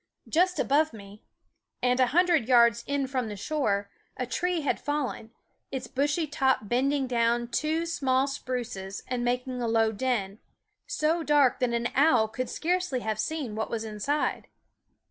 Just above me, and a hundred yards in from the shore, a tree had fallen, its bushy top bending down two small spruces and making a low den, so dark that an owl could scarcely have seen what was inside.